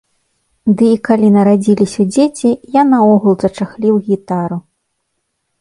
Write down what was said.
Ды і калі нарадзіліся дзеці, я наогул зачахліў гітару.